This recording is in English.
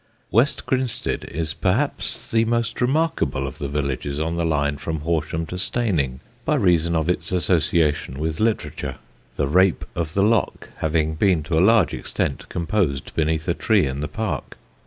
West Grinstead is perhaps the most remarkable of the villages on the line from Horsham to Steyning, by reason of its association with literature, The Rape of the Lock having been to a large extent composed beneath a tree in the park.